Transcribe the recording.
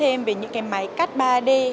thêm về những cái máy cắt ba d